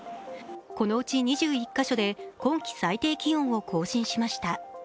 このうち２１か所で今季最低気温を更新しました。